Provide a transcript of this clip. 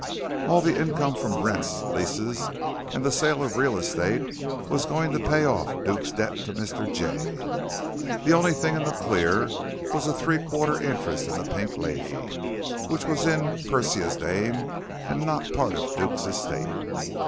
All the income from rents, leases, and the sale of real estate was going to pay off Duke's debt to Mr. Jay. The only thing in the clear was a three quarter interest in the Pink Lady, which was in Persia's name and not part of Duke's estate.